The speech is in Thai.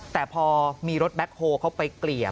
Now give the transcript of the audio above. แต่พอมีรถแบ็คโฮลเขาไปเกลี่ย